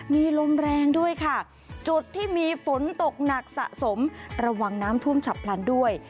มีลมแรงด้วยค่ะจุดที่มีฝนตกหนักสะสมระวังน้ำท่วมฉับพลันด้วย